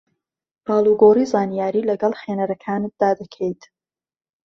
ئاڵوگۆڕی زانیاری لەگەڵ خوێنەرەکانتدا دەکەیت